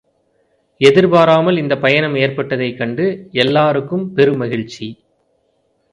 எதிர்பாராமல் இந்தப் பயணம் ஏற்பட்டதைக் கண்டு எல்லாருக்கும் பெருமகிழ்ச்சி.